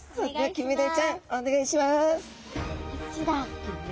キンメダイちゃん！お願いします。